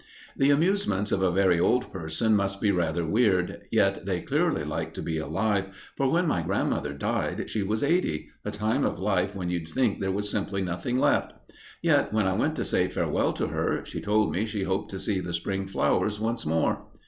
The amusements of a very old person must be rather weird, yet they clearly like to be alive, for when my grandmother died, she was eighty a time of life when you'd think there was simply nothing left. Yet, when I went to say farewell to her, she told me she hoped to see the spring flowers once more.